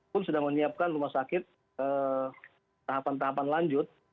pun sudah menyiapkan rumah sakit tahapan tahapan lanjut